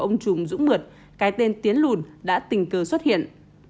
ông chùm dũng mượt cái tên tiến lùn đã tình cờ xuất hiện